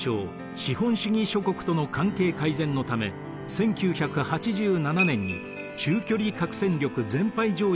資本主義諸国との関係改善のため１９８７年に中距離核戦力全廃条約を締結。